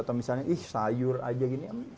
atau misalnya ih sayur aja gini